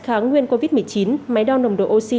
kháng nguyên covid một mươi chín máy đo nồng độ oxy